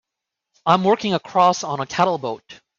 I'm working across on a cattle boat.